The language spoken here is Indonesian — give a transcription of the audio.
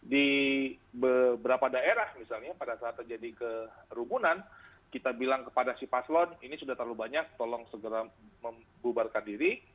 di beberapa daerah misalnya pada saat terjadi kerumunan kita bilang kepada si paslon ini sudah terlalu banyak tolong segera membubarkan diri